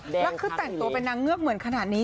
แล้วคือแต่งตัวเป็นนางเงือกเหมือนขนาดนี้